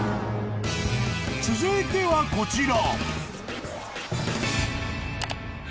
［続いてはこちら］